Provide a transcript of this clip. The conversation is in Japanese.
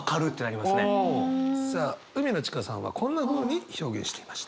さあ羽海野チカさんはこんなふうに表現していました。